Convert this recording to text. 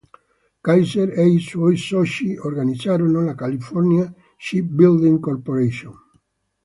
Kaiser e i suoi soci organizzarono la California Shipbuilding Corporation.